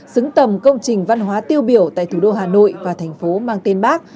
xứng tầm công trình văn hóa tiêu biểu tại thủ đô hà nội và thành phố mang tên bác